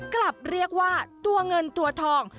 กลับเรียกว่าตัวเงินตัวทอง